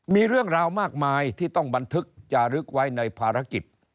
มีเรื่องราวมากมายที่ต้องบันทึกจารึกไว้ในภารกิจ